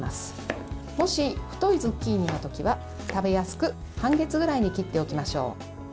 もし、太いズッキーニの時は食べやすく半月ぐらいに切っておきましょう。